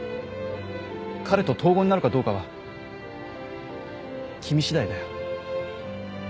彼と等号になるかどうかは君しだいだよ。